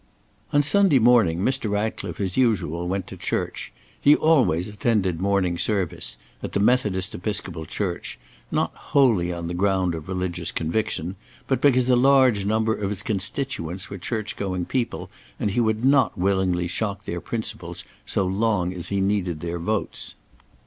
On Sunday morning Mr. Ratcliffe, as usual, went to church. He always attended morning service at the Methodist Episcopal Church not wholly on the ground of religious conviction, but because a large number of his constituents were church going people and he would not willingly shock their principles so long as he needed their votes.